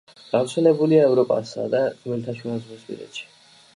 გავრცელებულია ევროპასა და ხმელთაშუაზღვისპირეთში.